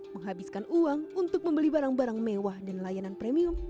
menghabiskan uang untuk membeli barang barang mewah dan layanan premium